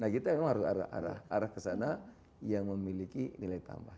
nah kita memang harus arah ke sana yang memiliki nilai tambah